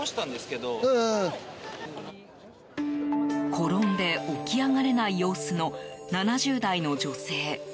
転んで起き上がれない様子の７０代の女性。